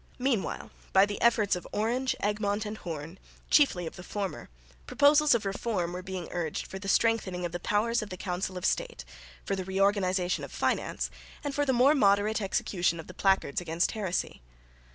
Meanwhile by the efforts of Orange, Egmont and Hoorn, chiefly of the former, proposals of reform were being urged for the strengthening of the powers of the Council of State, for the reorganisation of finance, and for the more moderate execution of the placards against heresy.